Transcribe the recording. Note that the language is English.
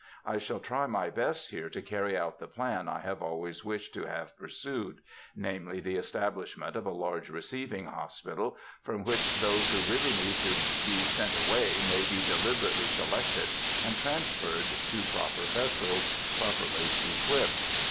I shall try my best here to carry out the plan I have always wished to have pursued,—namely, the establishment of a large receiving hospital, from which those who really need to be sent away may be deliberately selected and transferred to proper vessels, properly equipped.